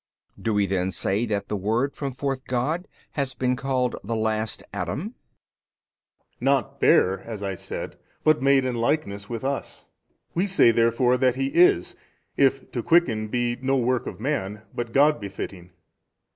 B. Do we then say that the Word from forth God, has been called the last Adam? A. Not bare (as I said), but made in likeness with us. We say therefore that He is, if to quicken be no work of man but God befitting.